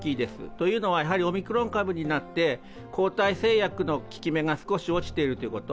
というのは、オミクロン株になって抗体製薬の効き目が少し落ちているということ。